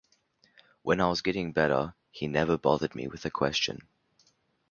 When I was getting better, he never bothered me with a question.